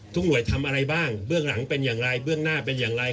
หน่วยทำอะไรบ้างเบื้องหลังเป็นอย่างไรเบื้องหน้าเป็นอย่างไร